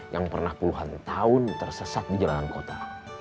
yang pernah puluhan tahun tersesat di jalanan kota